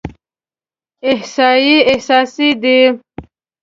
احصایې حساسې دي.